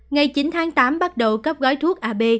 ngày chín tháng tám bắt đầu cấp gói thuốc ab